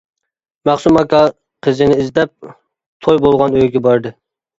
مەخسۇم ئاكا قىزىنى ئىزدەپ توي بولغان ئۆيگە باردى.